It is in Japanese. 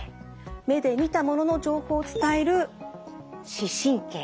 目で見たものの情報を伝える「視神経」。